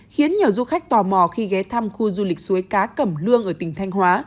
khiến nhiều du khách tò mò khi ghé thăm khu du lịch suối cá cẩm lương ở tỉnh thanh hóa